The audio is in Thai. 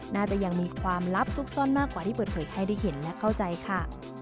น่าจะยังมีความลับซุกซ่อนมากกว่าที่เปิดเผยให้ได้เห็นและเข้าใจค่ะ